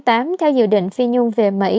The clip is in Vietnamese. theo dự định phi nhung về mỹ